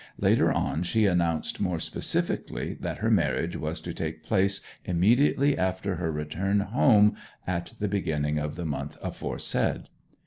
Later on she announced more specifically that her marriage was to take place immediately after her return home at the beginning of the month aforesaid.